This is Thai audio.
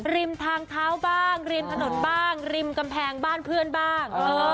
ริมทางเท้าบ้างริมถนนบ้างริมกำแพงบ้านเพื่อนบ้าง